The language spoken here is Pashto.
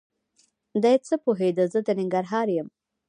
دی څه پوهېده زه د ننګرهار یم؟!